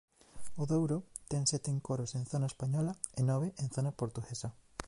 O Douro ten sete encoros en zona española e nove en zona portuguesa.